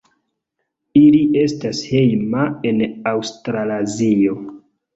Ili estas hejma en Aŭstralazio.